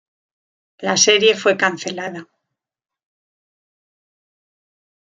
La serie fue cancelada.